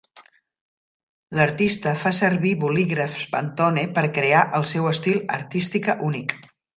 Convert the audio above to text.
L'artista fa servir bolígrafs Pantone per crear el seu estil artística únic.